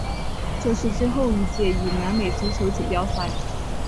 这是最后一届以南美足球锦标赛。